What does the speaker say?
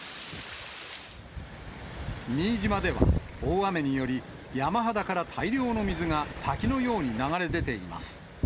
新島では、大雨により、山肌から大量の水が滝のように流れ出ています。